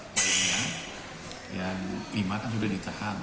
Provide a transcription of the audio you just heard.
lima kan sudah ditahan